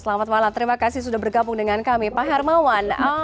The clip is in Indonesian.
selamat malam terima kasih sudah bergabung dengan kami pak hermawan